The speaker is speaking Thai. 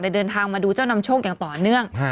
เดินทางมาดูเจ้านำโชคอย่างต่อเนื่อง